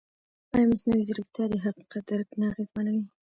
ایا مصنوعي ځیرکتیا د حقیقت درک نه اغېزمنوي؟